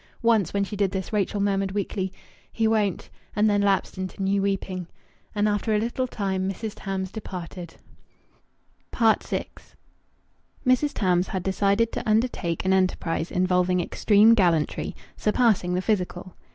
Once when she did this, Rachel murmured, weakly, "He won't " and then lapsed into new weeping. And after a little time Mrs. Tams departed. VI Mrs. Tams had decided to undertake an enterprise involving extreme gallantry surpassing the physical.